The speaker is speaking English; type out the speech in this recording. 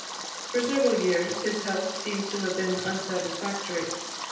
For several years, his health seems to have been unsatisfactory.